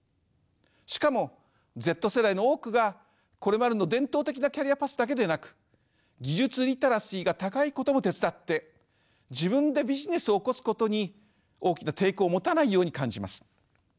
しかもＺ世代の多くがこれまでの伝統的なキャリアパスだけでなく技術リテラシーが高いことも手伝って自分でビジネスを起こすことに大きな抵抗を持たないように感じます。